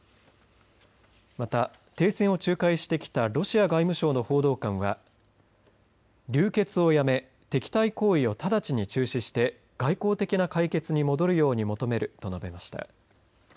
また停戦を仲介してきたロシア外務省の報道官は流血をやめ敵対行為をただちに中止して外交的な解決に戻るように求めると述べました。